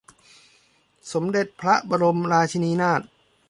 สมเด็จพระบรมราชินีนาถ